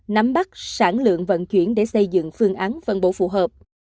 nắm bắt sản lượng vận chuyển để xây dựng phương án vận bộ phù hợp